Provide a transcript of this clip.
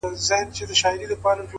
ها د فلسفې خاوند ها شتمن شاعر وايي؛